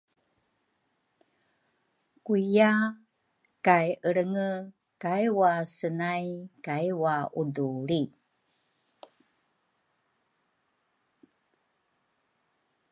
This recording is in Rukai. kuiya kay Elrenge kai wasenay kai waudulri.